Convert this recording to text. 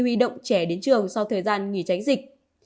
huy động trẻ đến trường sau thời gian nghỉ tránh dịch